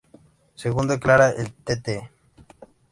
Según declara el Tte.